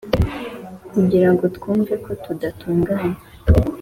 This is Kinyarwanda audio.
kugirango twumve ko tudatunganye,